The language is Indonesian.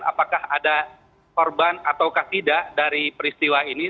apakah ada korban atau tidak dari peristiwa ini